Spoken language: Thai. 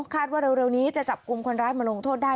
ว่าเร็วนี้จะจับกลุ่มคนร้ายมาลงโทษได้